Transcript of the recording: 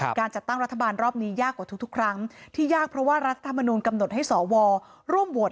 การจัดตั้งรัฐบาลรอบนี้ยากกว่าทุกครั้งที่ยากเพราะว่ารัฐธรรมนุนกำหนดให้สวร่วมโหวต